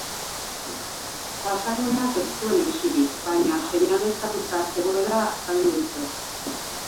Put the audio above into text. Pasaguneak ez zuen hesirik, baina seinaleztatuta zegoela azaldu dute.